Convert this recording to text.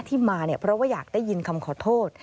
ที่มาเนี่ยเพราะว่าอยากได้ยินคำขอโทษ